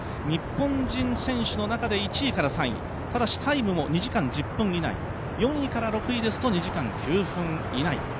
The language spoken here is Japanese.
日本人選手の中で１位から３位タイムも２時間１０分以内４位から６位以内ですと２時間９分以内。